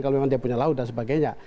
kalau memang dia punya laut dan sebagainya